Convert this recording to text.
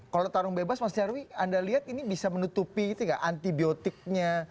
kalau tarung bebas mas nyarwi anda lihat ini bisa menutupi antibiotiknya